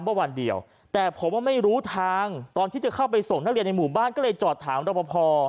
วันเดียวแต่ผมว่าไม่รู้ทางตอนที่จะเข้าไปส่งนักเรียนในหมู่บ้านก็เลยจอดถามรบพอ